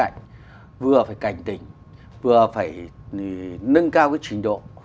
nâng cao cái trình độ